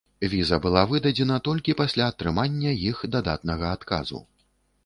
Віза была выдадзена толькі пасля атрымання іх дадатнага адказу.